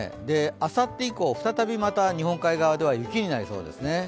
あさって以降、再び、日本海側では雪になりそうです。